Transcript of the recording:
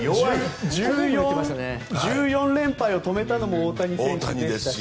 １４連敗を止めたのも大谷選手でしたし。